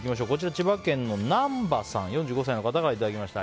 千葉県の４５歳の方からいただきました。